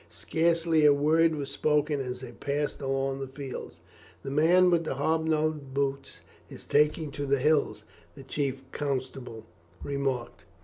Scarcely a word was spoken as they passed along the fields. "The man with the hob nailed boots is taking to the hills," the chief constable remarked.